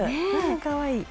かわいい。